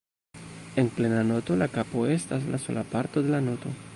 En plena noto, la kapo estas la sola parto de la noto.